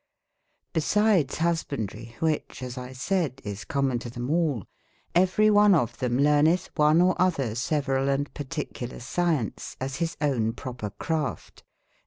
Besides husbandrie, whiche (as X saide) is common to them all, everye one of them learneth one or other several & particular science, as his owne proper craf te.